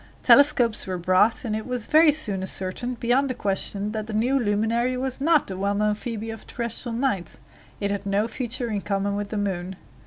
Telescopes were brought, and it was very soon ascertained, beyond a question, that the new luminary was not the well known Phoebe of terrestrial nights; it had no feature in common with the moon.